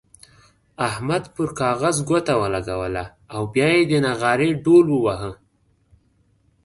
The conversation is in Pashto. احمد پر کاغذ ګوته ولګوله او بيا يې د نغارې ډوهل وواهه.